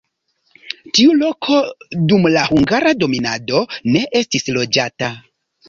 Tiu loko dum la hungara dominado ne estis loĝata.